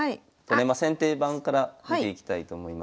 先手番から見ていきたいと思います。